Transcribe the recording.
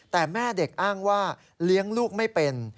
แต่แม่เด็กอ้างว่าเลี้ยงลูกไม่เป็น